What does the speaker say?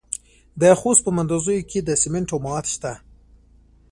د خوست په مندوزیو کې د سمنټو مواد شته.